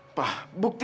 papa minta bukti